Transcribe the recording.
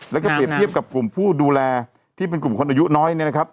แล้วก็เปรียบเทียบกับกลุ่มผู้ดูแลที่เป็นกลุ่มคนอายุน้อยเนี่ยนะครับ